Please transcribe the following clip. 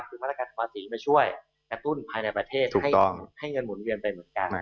คือมาตรการภาษีมาช่วยกระตุ้นภายในประเทศให้เงินหมุนเวียนไปเหมือนกัน